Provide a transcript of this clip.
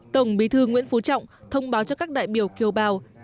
tổng bí thư nguyễn phú trọng thông báo cho các đại biểu kiều bào